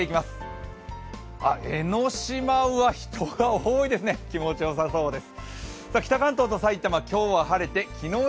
江の島は人が多いですね、気持ちよさそうです。